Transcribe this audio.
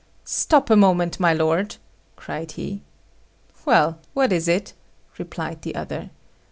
"Stop a moment, my lord," cried he. "Well, what is it?" replied the other.